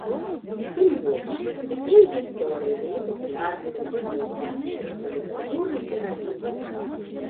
Тым больш, такія гісторыі былі папулярнымі на старонках фантастычнай літаратуры і раней.